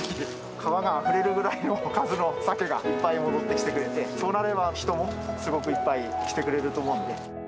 川があふれるぐらいの数のサケがいっぱい戻ってきてくれて、そうなれば、人もすごくいっぱい来てくれると思うんで。